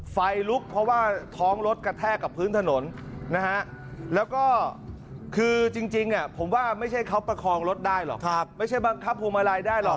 ไฟลุกเพราะว่าท้องรถกระแทกกับพื้นถนนนะฮะแล้วก็คือจริงผมว่าไม่ใช่เขาประคองรถได้หรอกไม่ใช่บังคับพวงมาลัยได้หรอก